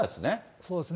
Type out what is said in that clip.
そうですね。